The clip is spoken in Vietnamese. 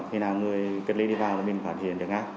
khi nào người cất ly đi vào là mình phản hiện được ngay